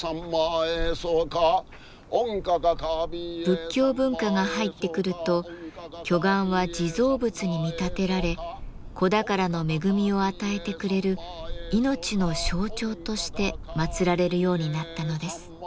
仏教文化が入ってくると巨岩は地蔵仏に見立てられ子宝の恵みを与えてくれる命の象徴として祀られるようになったのです。